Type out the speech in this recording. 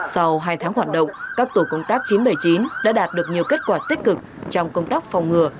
sau hai tháng hoạt động các tổ công tác chín trăm bảy mươi chín đã đạt được nhiều kết quả tích cực trong công tác phòng ngừa